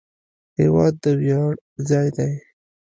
هېواد د ویاړ ځای دی.